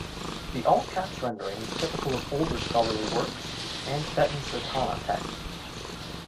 The all-caps rendering is typical of older scholarly works, and Tibetan Sadhana texts.